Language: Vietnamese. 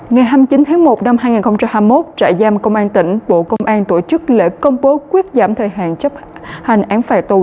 ngày hai mươi chín tháng một năm hai nghìn hai mươi một trại giam công an tỉnh bộ công an tổ chức lễ công bố quyết giảm thời hạn chấp hành án phạt tù